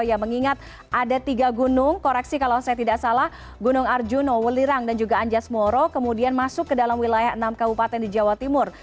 ya mengingat ada tiga gunung koreksi kalau saya tidak salah gunung arjuna welirang dan juga anjas moro kemudian masuk ke dalam wilayah enam kabupaten di jawa timur